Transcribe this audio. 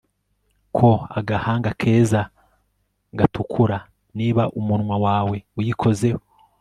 ko agahanga keza gatukura, niba umunwa wawe uyikozeho